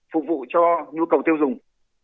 phục vụ cho nhu cầu tiêu dùng